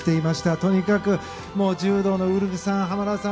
とにかく柔道のウルフさん濱田さん